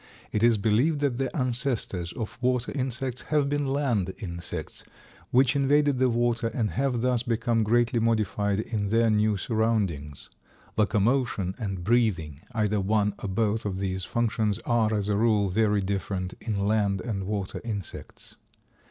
It is believed that the ancestors of water insects have been land insects which invaded the water and have thus become greatly modified in their new surroundings. Locomotion and breathing, either one or both of these functions, are, as a rule, very different in land and water insects.